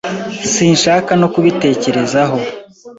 Sinshaka no kubitekerezaho